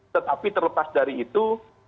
tetapi terlepas dari itu